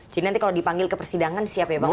jadi nanti kalau dipanggil ke persidangan siap ya bang